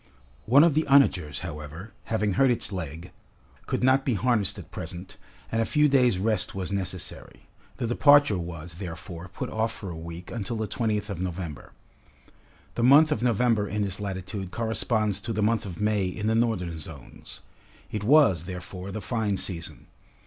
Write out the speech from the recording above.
One of the onagers, however, having hurt its leg, could not be harnessed at present, and a few days' rest was necessary. The departure was, therefore, put off for a week, until the 20th of November. The month of November in this latitude corresponds to the month of May in the northern zones. It was, therefore, the fine season.